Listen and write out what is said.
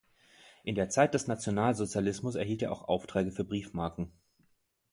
In der Zeit des Nationalsozialismus erhielt er auch Aufträge für Briefmarken.